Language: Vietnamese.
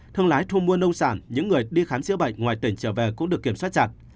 thương lái thu mua nông sản những người đi khám chữa bệnh ngoài tỉnh trở về cũng được kiểm soát chặt